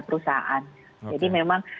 perusahaan jadi memang